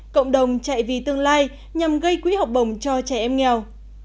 cộng đồng chạy vì tương lai nhằm gây quý học bồng cho trẻ em nghèo